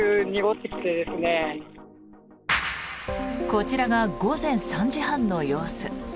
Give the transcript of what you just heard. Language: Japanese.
こちらが午前３時半の様子。